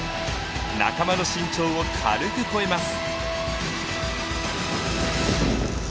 仲間の身長を軽く超えます。